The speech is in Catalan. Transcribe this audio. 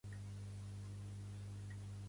Pertany al moviment independentista la Silva?